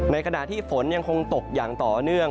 ขณะที่ฝนยังคงตกอย่างต่อเนื่อง